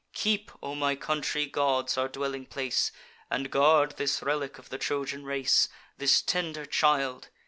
Keep, O my country gods, our dwelling place, And guard this relic of the Trojan race, This tender child!